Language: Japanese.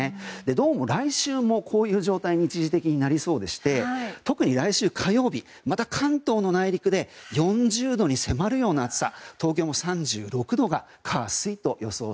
どうも来週もこういう状態に一時的になりそうでして、特に来週火曜日また関東の内陸で４０度に迫る暑さ。